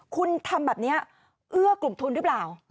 คุณทำแบบนี้เอื้อกลุ่มทุนหรือเปล่า